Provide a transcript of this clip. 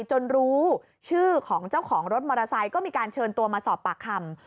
จนรู้ชื่อของเจ้าของรถมอเตอร์ไซค์ก็มีการเชิญตัวมาสอบปากคำ